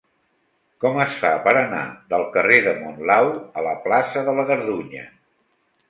Com es fa per anar del carrer de Monlau a la plaça de la Gardunya?